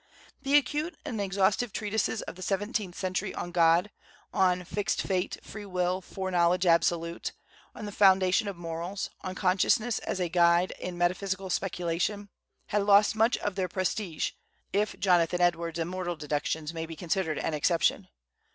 The acute and exhaustive treatises of the seventeenth century on God, on "fixed fate, free will, foreknowledge absolute," on the foundation of morals, on consciousness as a guide in metaphysical speculation, had lost much of their prestige, if Jonathan Edwards' immortal deductions may be considered an exception.